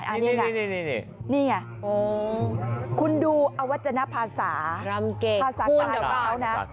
นี่นี่ไงคุณดูอวัฒนภาษาภาษากลางเบานะ